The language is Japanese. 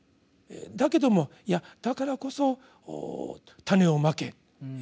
だけどもいやだからこそ「種を蒔け」。